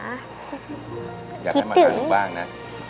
อยากให้มาหาอยู่บ้างนะ